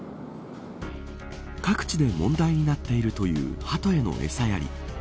各地で問題になっているというハトへの餌やり。